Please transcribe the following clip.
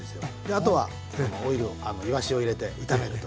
あとはオイルをいわしを入れて炒めるという。